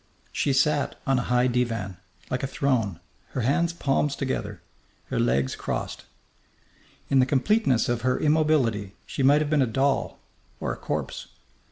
She sat on a high divan, like a throne, her hands palms together, her legs crossed. In the completeness of her immobility she might have been a doll or a corpse.